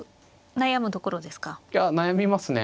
悩むところですか。